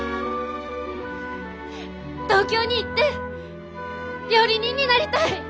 東京に行って料理人になりたい。